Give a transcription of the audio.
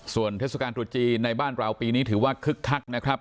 ส่วนเทศกาลตรุษจีนในบ้านเราปีนี้ถือว่าคึกคักนะครับ